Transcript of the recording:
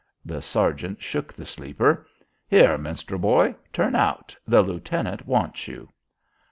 The sergeant shook the sleeper. "Here, Minstrel Boy, turn out. The lieutenant wants you."